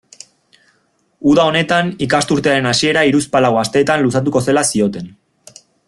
Uda honetan ikasturtearen hasiera hiruzpalau asteetan luzatuko zela zioten.